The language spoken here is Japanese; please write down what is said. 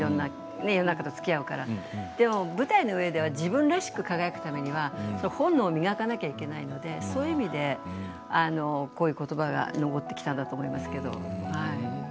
世の中とつきあうからでも舞台の上では自分らしく輝くためには本能を磨かなくちゃいけないのでこういうことばが上ってきたんだと思いますけど。